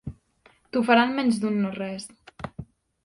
T'ho farà en menys d'un no res.